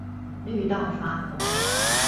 綠到發紅